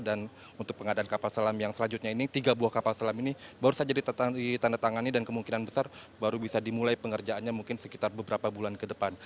dan untuk pengadaan kapas selam yang selanjutnya ini tiga buah kapas selam ini baru saja ditandatangani dan kemungkinan besar baru bisa dimulai pengerjaannya mungkin sekitar beberapa bulan ke depan